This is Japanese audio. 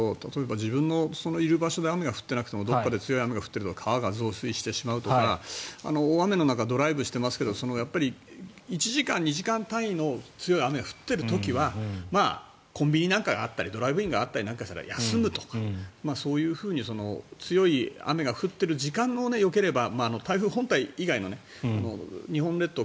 自分のいる場所で雨が降っていなくてもどこかで強い雨が降ってると川が増水してしまうとか大雨の中、ドライブしていますが１時間２時間単位の強い雨が降っている時はコンビニなんかがあったりドライブインがあったりしたら休むとか、そういうふうに強い雨が降っている時間をよければ台風本体以外の日本列島